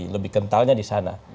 lebih kentalnya di sana